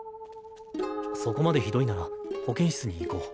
そこまでひどいなら保健室に行こう。